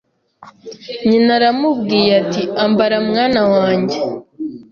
Nyina ramubwiye ati Ambara mwana wange”.